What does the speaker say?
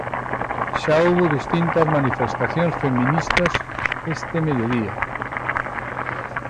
Xa houbo distintas manifestacións feministas este mediodía.